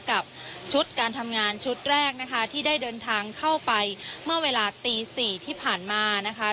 กับชุดการทำงานชุดแรกนะคะที่ได้เดินทางเข้าไปเมื่อเวลาตีสี่ที่ผ่านมานะคะ